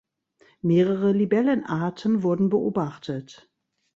Mehrere Libellenarten wurden beobachtet.